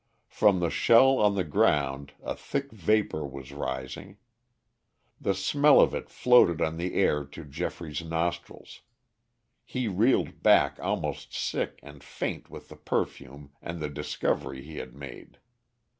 From the shell on the ground a thick vapor was rising. The smell of it floated on the air to Geoffrey's nostrils. He reeled back almost sick and faint with the perfume and the discovery he had made.